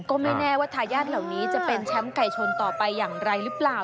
ก็ไม่แน่ว่าทายาทเหล่านี้จะเป็นแชมป์ไก่ชนต่อไปอย่างไรหรือเปล่า